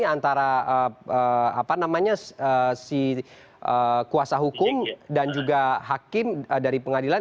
antara si kuasa hukum dan juga hakim dari pengadilan